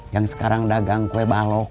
yang sekarang dagang kue balok